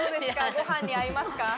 ご飯に合いますか？